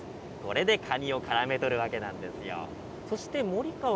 これでカニをからめ捕るわけなんですよ。